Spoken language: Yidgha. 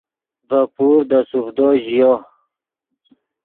ڤے پور دے سوڤدو ژیو